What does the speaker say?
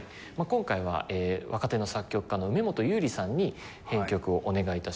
今回は若手の作曲家の梅本佑利さんに編曲をお願い致しました。